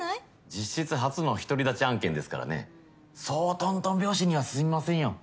実質初の独り立ち案件ですからねそうとんとん拍子には進みませんよ。